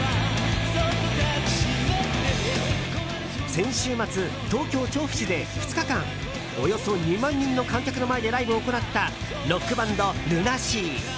先週末、東京・調布市で２日間およそ２万人の観客の前でライブを行ったロックバンド、ＬＵＮＡＳＥＡ。